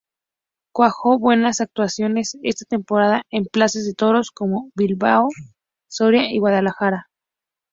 Cuajó buenas actuaciones esta temporada en plazas de toros como Bilbao, Soria y Guadalajara.